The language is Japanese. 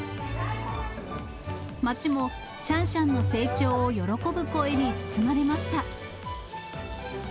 街もシャンシャンの成長を喜ぶ声に包まれました。